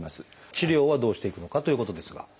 治療はどうしていくのかということですが。